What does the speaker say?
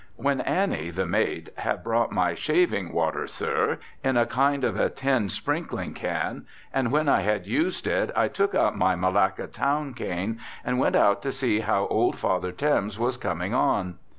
When Annie, the maid, had brought my "shaving water, sir," in a kind of a tin sprinkling can and when I had used it I took up my Malacca town cane and went out to see how old Father Thames was coming on.